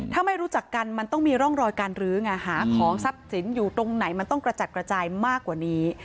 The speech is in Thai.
ถ้าไม่รู้จักกันมันต้องมีร่องรอยการรื้อไงหาของทรัพย์สินอยู่ตรงไหนมันต้องกระจัดกระจายมากกว่านี้